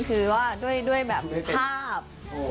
คือว่าด้วยแบบภาพ